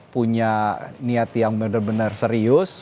punya niat yang benar benar serius